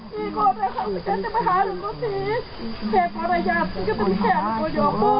พี่กูก็แค่ต้องไปขาดลูกสิเหตุการณ์ยากตรงเลือดโยบุ